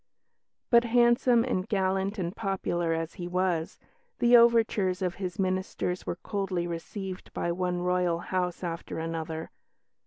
But handsome and gallant and popular as he was, the overtures of his ministers were coldly received by one Royal house after another.